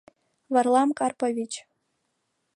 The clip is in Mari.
— Варлам Карпович!